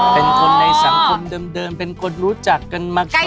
เป็นคนในสังคมเดิมเป็นคนรู้จักกันมาก่อน